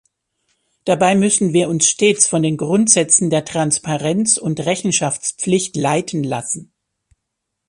Dabei müssen wir uns stets von den Grundsätzen der Transparenz und Rechenschaftspflicht leiten lassen.